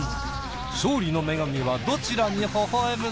勝利の女神はどちらに微笑むのか！？